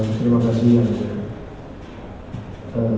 terima kasih ya bapak